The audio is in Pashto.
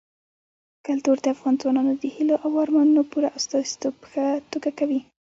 کلتور د افغان ځوانانو د هیلو او ارمانونو پوره استازیتوب په ښه توګه کوي.